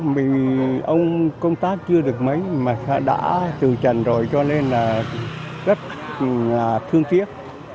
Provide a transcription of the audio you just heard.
vì ông công tác chưa được mấy mà đã từ trần rồi cho nên là rất là thương tiếc